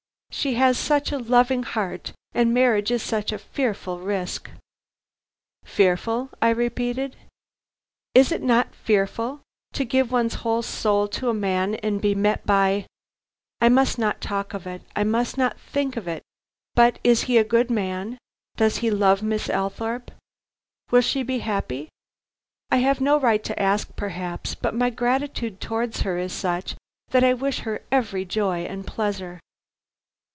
She has such a loving heart, and marriage is such a fearful risk." "Fearful?" I repeated. "Is it not fearful? To give one's whole soul to a man and be met by I must not talk of it; I must not think of it But is he a good man? Does he love Miss Althorpe? Will she be happy? I have no right to ask, perhaps, but my gratitude towards her is such that I wish her every joy and pleasure."